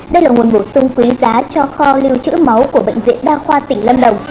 đây là nguồn bổ sung quý giá cho kho lưu trữ máu của bệnh viện đa khoa tỉnh lâm đồng